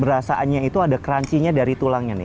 berasaannya itu ada crunchinessnya dari tulang muda